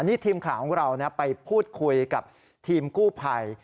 นี่ทีมข่าวของเราไปพูดคุยกับทีมกู้ภัย